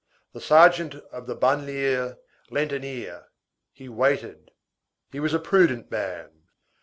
The sergeant of the banlieue lent an ear. He waited. He was a prudent man.